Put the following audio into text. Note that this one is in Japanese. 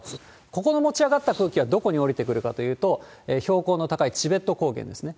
ここの持ち上がった空気は、どこに下りてくるかというと、標高の高いチベット高原ですね。